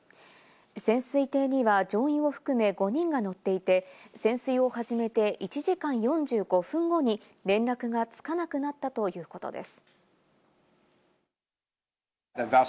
潜水艇には乗員を含め５人が乗っていて、潜水を始めて１時間４５分後に連絡がつかなくなったということです。